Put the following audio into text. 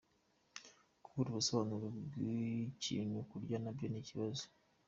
Kubura ubusobanuro bw’ikintu burya na byo ni ikibazo.